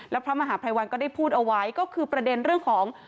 แล้วพระมหาภัยวัลก็ได้พูดเอาไว้ก็คือประเด็นเรื่องของ